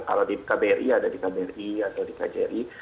kalau di kbri ada di kbri atau di kjri